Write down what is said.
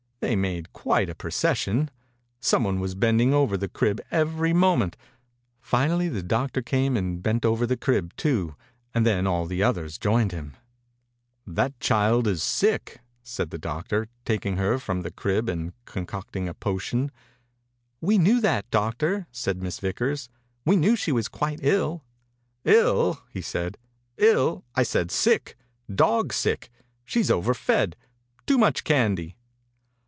They made quite a procession. Some one was bending over the crib every moment. Finally the doc tor came and bent over the crib, too, and then all the others joined him. "That child is sick,'* said the 104 THE INCUBATOR BABY doctor, taking her from the crib and concocting a potion. "We knew that, doctor," said Miss Vickers. "We knew she was quite ill." "111!" he said. "111! I said sick. Dog sick. She's overfed. Too much candy."